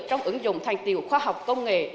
trong ứng dụng thành tiều khoa học công nghệ